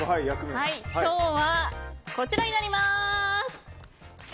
今日は、こちらになります。